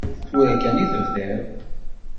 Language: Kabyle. Tura kan i tebdiḍ.